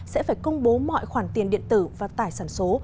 sẽ phải công bố mọi khoản tiền điện tử và tài sản số